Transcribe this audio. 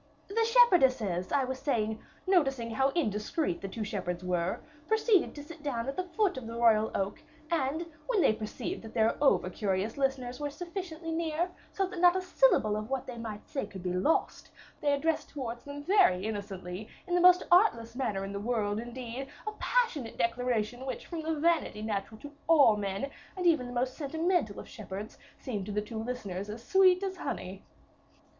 "'The shepherdesses, I was saying, noticing how indiscreet the two shepherds were, proceeded to sit down at the foot of the royal oak; and, when they perceived that their over curious listeners were sufficiently near, so that not a syllable of what they might say could be lost, they addressed towards them very innocently, in the most artless manner in the world indeed, a passionate declaration, which from the vanity natural to all men, and even to the most sentimental of shepherds, seemed to the two listeners as sweet as honey.